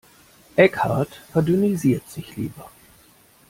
Eckhart verdünnisiert sich lieber.